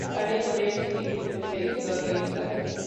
La ley podrá exigir títulos de idoneidad.